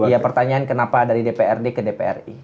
iya pertanyaan kenapa dari dprd ke dpr